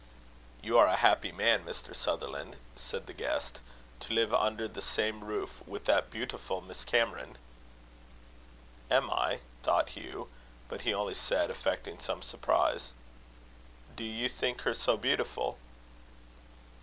"You are a happy man, Mr. Sutherland," said the guest, "to live under the same roof with that beautiful Miss Cameron." "Am I?" thought Hugh; but he only said, affecting some surprise: "Do you think her so beautiful?"